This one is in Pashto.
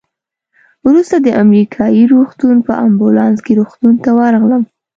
وروسته د امریکایي روغتون په امبولانس کې روغتون ته ورغلم.